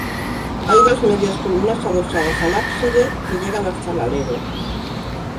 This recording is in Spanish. Hay dos medias columnas adosadas al ábside que llegan hasta el alero.